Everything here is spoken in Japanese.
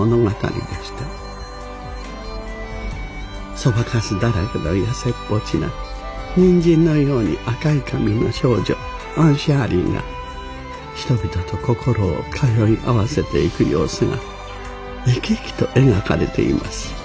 そばかすだらけの痩せっぽちなニンジンのように赤い髪の少女アン・シャーリーが人々と心を通い合わせていく様子が生き生きと描かれています。